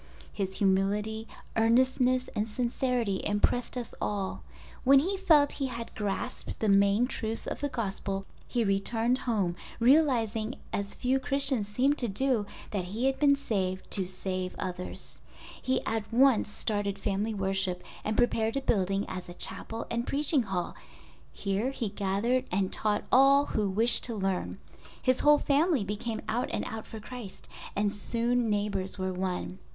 His humility, earnestness, and sincerity impressed us all. When he felt he had grasped the main truths of the Gospel he returned home realizing as few Christians seem to do, that he had been saved to save others. He at once started family worship, and prepared a building as a chapel and preaching hall—here he gathered and taught all who wished to learn. His whole family became out and out for Christ and soon neighbors were won.